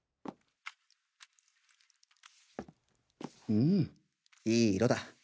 うんいい色だ。